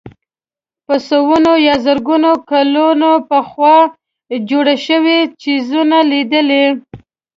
په سوونو یا زرګونو کلونه پخوا جوړ شوي څېزونه لیدلي.